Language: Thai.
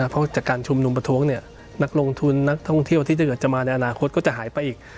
เพราะจากการชุมนุมประท้วงนักลงทุนนักท่องเที่ยวที่ถ้าเกิดจะมาในอนาคตก็จะหายไปอีก